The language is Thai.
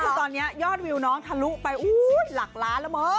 แล้วสิตอนเนี้ยยอดวิวน้องทะลุไปหลักล้านแล้วเมิง